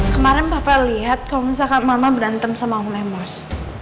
kemarin bapak lihat kalau misalkan mama berantem sama om lamors